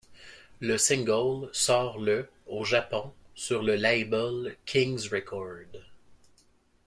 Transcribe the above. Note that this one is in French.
Le single sort le au Japon sur le label King Records.